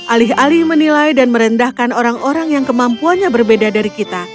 alih alih menilai dan merendahkan orang orang yang kemampuannya berbeda dari kita